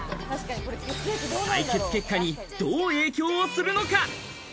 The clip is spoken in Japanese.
採血結果にどう影響するのか？